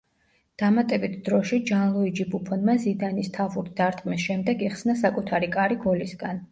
დამატებით დროში ჯანლუიჯი ბუფონმა ზიდანის თავური დარტყმის შემდეგ იხსნა საკუთარი კარი გოლისგან.